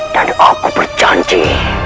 dan aku berjanji